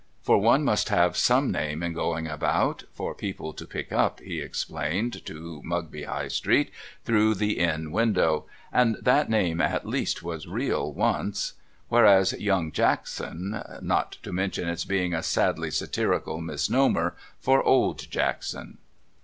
' For one must have some name in going about, for people to pick up,' he explained to Mugby High Street, through the Inn window, ' and that name at least was real once. Whereas, Young Jackson !— Not to mention its being a sadly satirical misnomer for Old Jackson.'